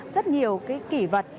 rất nhiều cái kỷ vật